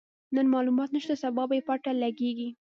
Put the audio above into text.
نن مالومات نشته، سبا به يې پته لګيږي.